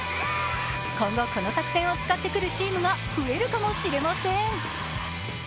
今後、この作戦を使ってくるチームが増えるかもしれません。